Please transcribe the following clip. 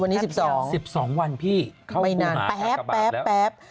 วันนี้เท่าไรวันนี้๑๒ไม่นานแป๊บแป๊บแป๊บ